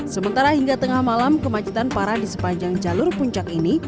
sementara hingga tengah malam kemacetan parah di sepanjang jalur puncak ini